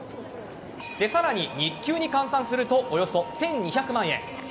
さらに日給に換算するとおよそ１２００万円。